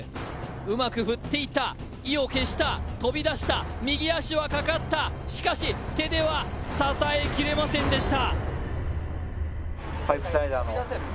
うまく振っていった、意を決した、右足はかかった、しかし手では支えきれませんでした。